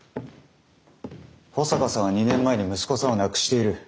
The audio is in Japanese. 保坂さんは２年前に息子さんを亡くしている。